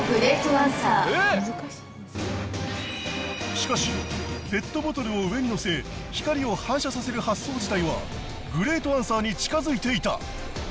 しかしペットボトルを上にのせ光を反射させる発想自体はグレートアンサーに近づいていた！